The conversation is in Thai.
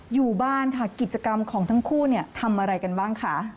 อยู่บ้านค่ะกิจกรรมของทั้งคู่เนี่ยทำอะไรกันบ้างคะ